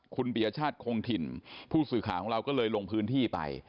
คุณปียชาติคงถิ่นผู้สื่อข่าวของเราก็เลยลงพื้นที่ไป